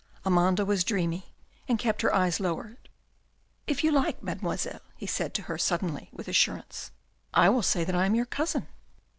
Amanda was dreamy, and kept her eyes lowered. " If you like, Mademoiselle," he said to her suddenly with assurance, " I will say that I am your cousin."